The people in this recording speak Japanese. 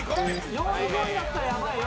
４位５位だったらやばいよ